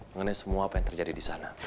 mengenai semua apa yang terjadi di sana